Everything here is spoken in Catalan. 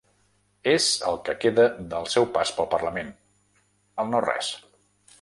És el que queda del seu pas pel parlament, el no-res.